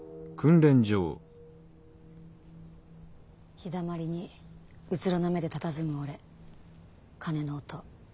日だまりにうつろな目でたたずむ俺鐘の音。